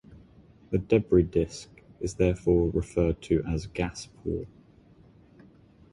The debris disk is therefore referred to as "gas-poor".